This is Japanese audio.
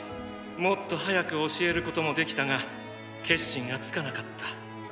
もっと早く教えることもできたが決心がつかなかった。